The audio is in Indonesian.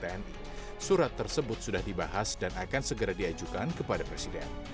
tni surat tersebut sudah dibahas dan akan segera diajukan kepada presiden